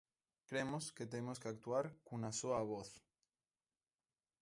Cremos que temos que actuar cunha soa voz.